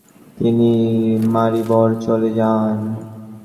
তিনি মারিবর চলে যান।